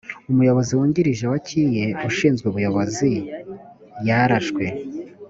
umuyobozi wungirije wa kie ushinzwe ubuyobozi yarashwe